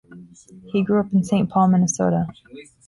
He grew up in Saint Paul, Minnesota.